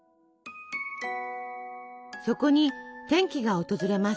そこに転機が訪れます。